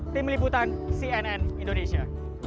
tim liputan cnn indonesia